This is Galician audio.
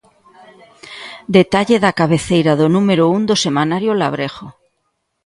Detalle da cabeceira do número un do semanario 'O Labrego'.